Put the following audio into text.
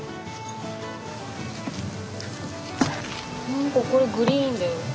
何かこれグリーンだよ。